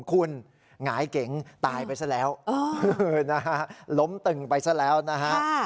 คุณหงายเก๋งตายไปซะแล้วนะฮะล้มตึงไปซะแล้วนะฮะ